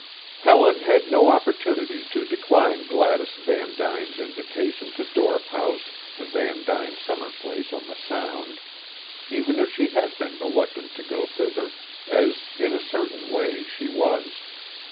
Helen had no opportunity to decline Gladys Van Duyn's invitation to Dorp House, the Van Duyn summer place on the Sound, even if she had been reluctant to go thither, as, in a certain way, she was.